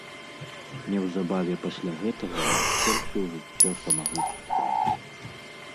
Неўзабаве пасля гэтага ён скончыў жыццё самагубствам.